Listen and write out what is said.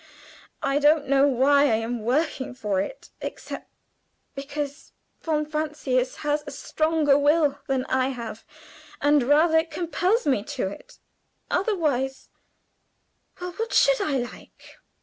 I don't know why I am working for it, except because Herr von Francius has a stronger will than I have, and rather compels me to it. Otherwise "Well, what should I like?